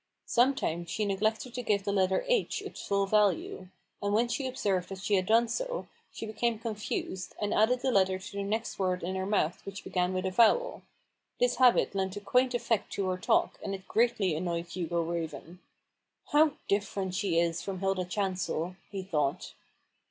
Sometimes she neglected to give the letter h its full value ; and when she observed that she HUGO RAVEN'S HAND. 151 had done so, she became confused, and added the letter to the next word in her mouth which began with a vowel. This habit lent a quaint effect to her talk, and it greatly annoyed Hugo Raven. "How different she is from Hilda Chancel," he thought.